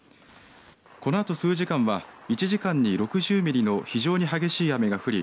このあと数時間は１時間に６０ミリの非常に激しい雨が降り